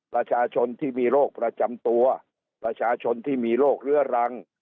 ประชาชนที่มีโรคประจำตัวประชาชนที่มีโรคเรื้อรัง